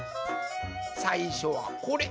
さいしょはこれ！